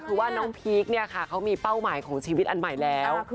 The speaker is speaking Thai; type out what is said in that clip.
คือว่าน้องพีคเนี่ยค่ะเขามีเป้าหมายของชีวิตอันใหม่แล้ว